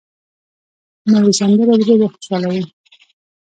نوې سندره زړه خوشحالوي